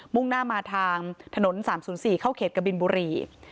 ่งหน้ามาทางถนน๓๐๔เข้าเขตกบินบุรี